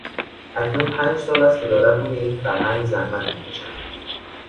اکنون پنج سال است که دارم روی این فرهنگ زحمت میکشم.